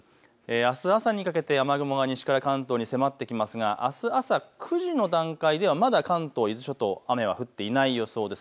あす朝にかけて雨雲が西から関東に迫ってきますがあす朝９時の段階ではまだ関東、伊豆諸島雨は降っていない予想です。